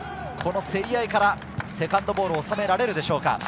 競り合いからセカンドボールを収められるでしょうか。